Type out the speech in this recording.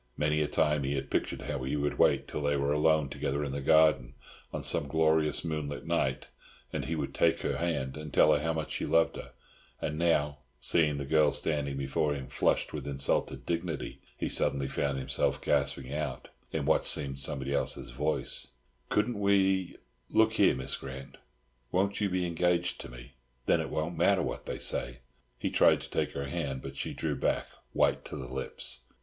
Many a time he had pictured how he would wait till they were alone together in the garden on some glorious moonlit night, and he would take her hand, and tell her how much he loved her; and now, seeing the girl standing before him flushed with insulted dignity, he suddenly found himself gasping out, in what seemed somebody's else's voice, "Couldn't we—look here, Miss Grant, won't you be engaged to me? Then it won't matter what they say." He tried to take her hand, but she drew back, white to the lips.